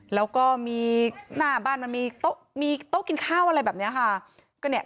แล้วก็มีหน้าบ้านมันมีโต๊ะมีโต๊ะกินข้าวอะไรแบบนี้ค่ะ